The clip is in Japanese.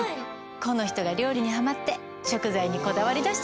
この人が料理にハマって食材にこだわり出しちゃって。